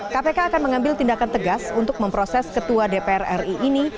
kpk akan mengambil tindakan tegas untuk memproses ketua dpr ri ini